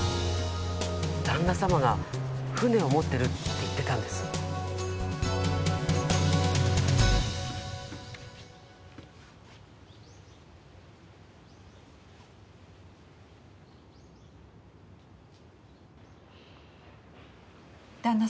旦那さまが船を持ってるって言ってたんです旦那